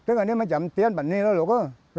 นี่ไม่ใช่เห็นเตี้ยงนี้เป็นหลอก